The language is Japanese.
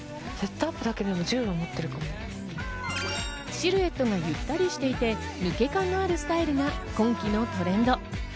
シルエットがゆったりしていて、抜け感のあるスタイルが今季のトレンド。